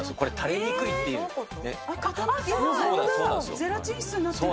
ゼラチン質になってる。